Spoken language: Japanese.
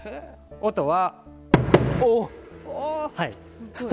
音は。